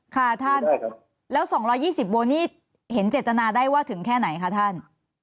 ค่ะท่านแล้ว๒๒๐โวลนี่เห็นเจตนาได้ว่าถึงแค่ไหนคะท่าน